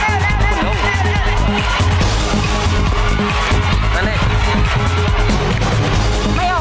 แต่สิ่งที่เราได้ดูแล้วครับ